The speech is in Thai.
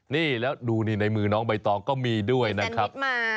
นี่แล้วดูนี่ในมือน้องใบตองก็มีด้วยนะครับ